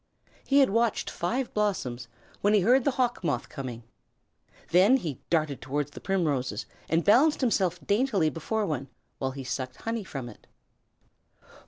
He had watched five blossoms when he heard the Hawk Moth coming. Then he darted toward the primroses and balanced himself daintily before one while he sucked honey from it.